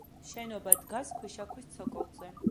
შენობა დგას ქვიშაქვის ცოკოლზე.